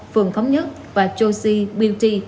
phường thống nhất và josie beauty